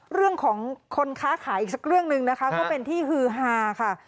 เรื่องของคนค้าขายอีกสักเรื่องหนึ่งนะคะก็เป็นที่ฮือฮาค่ะ